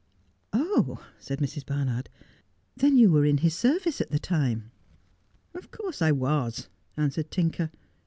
'Oh,' said Mrs. Barnard, 'then you were in his service at the time 1 '' Of course I was,' answered Tinker.